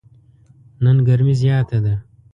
نن ګرمي زیاته ده.